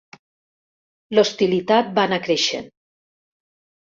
L'hostilitat va anar creixent.